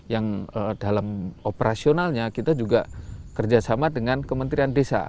yang dalam operasionalnya kita juga kerjasama dengan kementerian desa